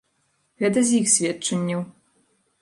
Гэта з іх сведчанняў.